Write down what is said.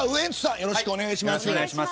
よろしくお願いします。